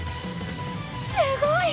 すごい！